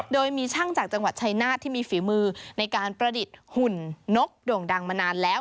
โดยมีช่างจากจังหวัดชายนาฏที่มีฝีมือในการประดิษฐ์หุ่นนกโด่งดังมานานแล้ว